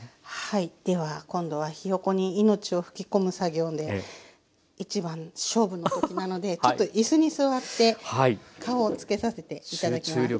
では今度はひよこに命を吹き込む作業で一番勝負の時なのでちょっと椅子に座って顔をつけさせて頂きます。